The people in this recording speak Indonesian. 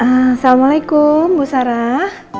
assalamualaikum bu sarah